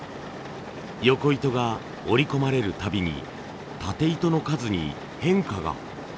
ヨコ糸が織り込まれるたびにタテ糸の数に変化が。